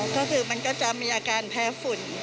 ก็คือมันก็จะมีอาการแพ้ฝุ่น